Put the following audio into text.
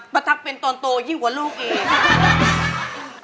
ตั๊กเป็นตอนโตยิ่งกว่าลูกเอง